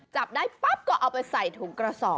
จับได้ปั๊บก็เอาไปใส่ถุงกระสอบ